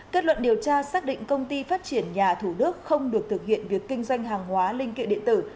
kết luận điều tra xác định công ty phát triển nhà thủ đức không được thực hiện việc kinh doanh hàng hóa linh kiện điện tử